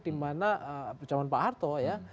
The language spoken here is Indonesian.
dimana zaman pak harto ya